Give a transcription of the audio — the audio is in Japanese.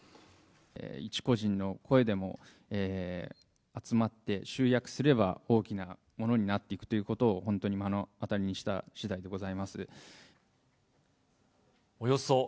一個人の声でも集まって集約すれば、大きなものになっていくということを本当に目の当たりにしたしだいでございます。